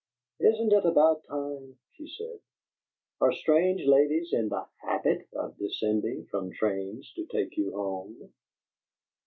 "Isn't it about time?" she said. "Are strange ladies in the HABIT of descending from trains to take you home?"